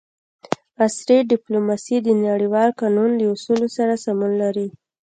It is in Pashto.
عصري ډیپلوماسي د نړیوال قانون له اصولو سره سمون لري